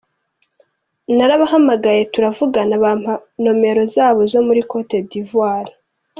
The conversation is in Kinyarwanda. Narabahamagaye turavugana bampa nomero zabo zo muri Cote d’Ivoire.